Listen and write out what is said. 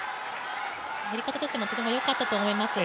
やり方としても、とてもよかったと思います。